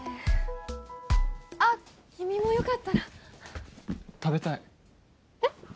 あっ君もよかったら食べたいえっ？